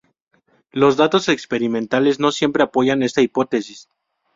Los datos experimentales no siempre apoyan esta hipótesis.